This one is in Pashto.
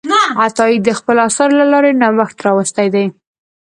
عطایي د خپلو اثارو له لارې نوښت راوستی دی.